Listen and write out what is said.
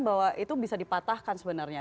bahwa itu bisa dipatahkan sebenarnya